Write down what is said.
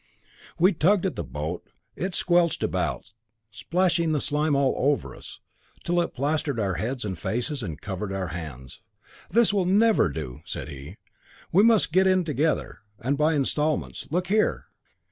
We tugged at the boat, it squelched about, splashing the slime over us, till it plastered our heads and faces and covered our hands. "This will never do," said he. "We must get in together, and by instalments. Look here!